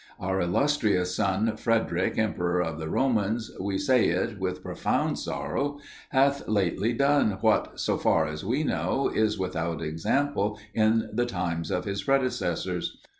Our illustrious son Frederic, Emperor of the Romans, we say it with profound sorrow, hath lately done what, so far as we know, is without example in the times of his predecessors.